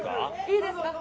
いいですか？